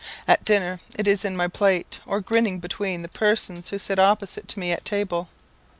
At dinner, it is in my plate, or grinning between the persons who sit opposite to me at table.